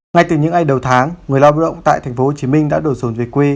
ngay từ những ngày đầu tháng người lao động tại tp hcm đã đổ sổn về quê